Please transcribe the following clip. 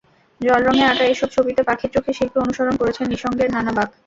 জলরঙে আঁকা এসব ছবিতে পাখির চোখে শিল্পী অনুসরণ করেছেন নিসর্গের নানা বাঁক।